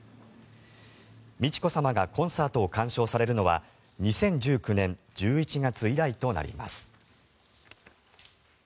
美智子さまがコンサートを鑑賞されるのは２０１９年１１月以来となります。